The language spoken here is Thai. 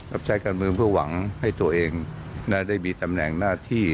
รับใช้การเมืองเพื่อหวังให้ตัวเองได้มีตำแหน่งหน้าที่